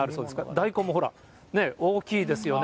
大根もほら、大きいですよね。